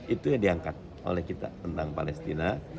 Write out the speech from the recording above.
itu yang diangkat oleh kita tentang palestina